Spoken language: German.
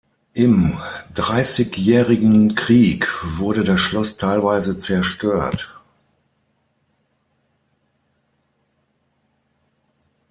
Im Dreißigjährigen Krieg wurde das Schloss teilweise zerstört.